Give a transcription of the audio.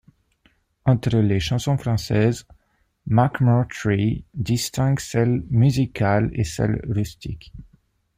Entre les chansons françaises, McMurtry distingue celles musicales et celles rustiques.